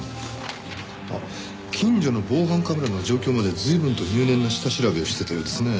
あっ近所の防犯カメラの状況まで随分と入念な下調べをしてたようですね。